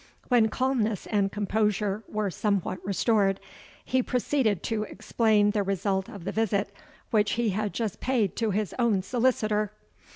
When calmness and composure were somewhat restored, he proceeded to explain the result of the visit which he had just paid to his own solicitor.